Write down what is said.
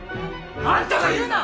あんたが言うな！